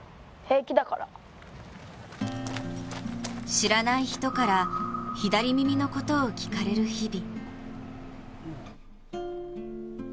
知らない人から左耳のことを聞かれる日々。